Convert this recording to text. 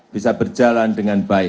bisa berjalan dengan baik